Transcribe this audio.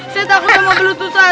saya takut sama belut ustadz